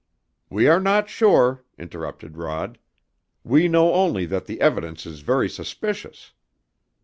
"We are not sure," interrupted Rod. "We know only that the evidence is very suspicious.